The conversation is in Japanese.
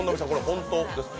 本当ですか？